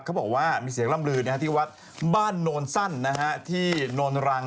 เขาบอกว่ามีเสียงล่ำลือที่วัดบ้านโนนสั้นที่โนนรัง